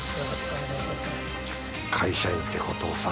会社員ってことをさ